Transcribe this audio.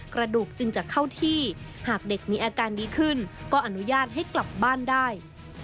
กระดูกจึงจะเข้าที่หากเด็กมีอาการดีขึ้นก็อนุญาตให้กลับบ้านได้